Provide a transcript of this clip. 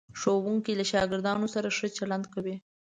ښوونکی له شاګردانو سره ښه چلند کوي.